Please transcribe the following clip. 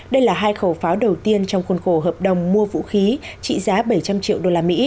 đây là hai khẩu pháo đầu tiên trong khuôn khổ hợp đồng mua vũ khí trị giá bảy trăm linh triệu usd